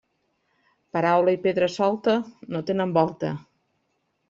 Paraula i pedra solta no tenen volta.